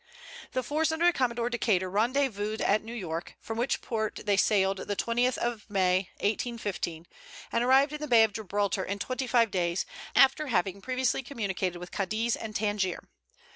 The force under Commodore Decater rendezvoused at New York, from which port they sailed the 20th day of May, 1815, and arrived in the Bay of Gibraltar in twenty five days, after having previously communicated with Cadiz and Tangier.